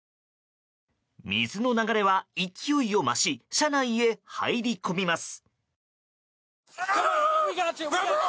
水の流れは勢いを増し車内に入り込みます。